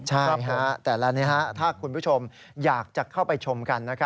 ใช่แต่ละนี้ถ้าคุณผู้ชมอยากจะเข้าไปชมกัน